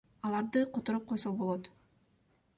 Аларды которуп койсо болот.